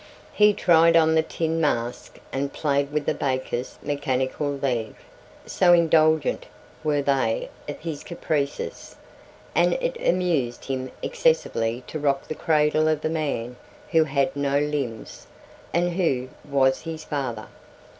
He tried on the tin mask and played with the baker's mechanical leg, so indulgent were they of his caprices; and it amused him excessively to rock the cradle of the man who had no limbs, and who was his father.